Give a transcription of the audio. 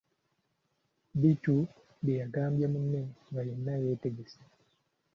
Bittu bye yagamba munne nga yenna yeetegese!